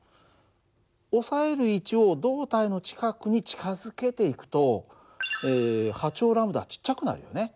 押さえる位置を胴体の近くに近づけていくと波長λはちっちゃくなるよね。